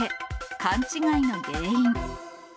勘違いの原因。